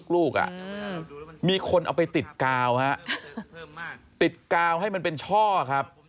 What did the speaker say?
ลูกมีคนเอาไปติดกาวฮะติดกาวให้มันเป็นช่อครับ